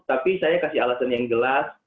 tapi saya kasih alasan yang jelas